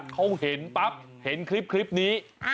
เขาเห็นปั๊บเห็นคลิปนี้